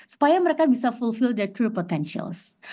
supaya mereka bisa fulfill their true potentials